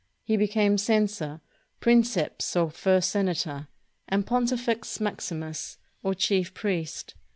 He became censor; prin ceps, or first senator; and pontifex maximus, or chief priest.